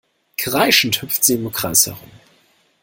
Kreischend hüpft sie im Kreis herum.